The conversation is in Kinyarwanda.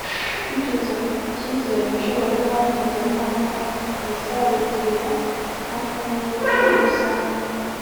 biturutse ku cyizere abashoramari mpuzamahanga bazawugirira n’akarere muri rusange